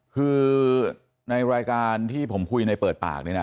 คือในรายการที่ผมคุยในเปิดปากนี่นะ